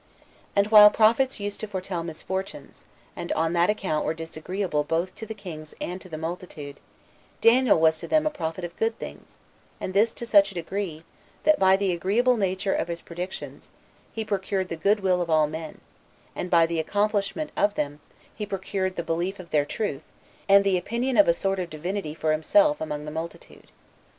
And while prophets used to foretell misfortunes, and on that account were disagreeable both to the kings and to the multitude, Daniel was to them a prophet of good things, and this to such a degree, that by the agreeable nature of his predictions, he procured the goodwill of all men; and by the accomplishment of them, he procured the belief of their truth, and the opinion of [a sort of] divinity for himself, among the multitude.